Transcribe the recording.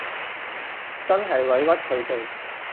真係委屈佢哋